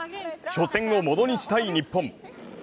初戦をものにしたい日本。